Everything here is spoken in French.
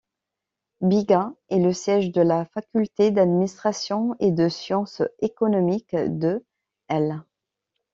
Biga est le siège de la faculté d'administration et de sciences économiques de l'.